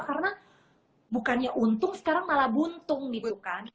karena bukannya untung sekarang malah buntung gitu kan